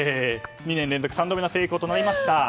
２年連続３度目の成功となりました。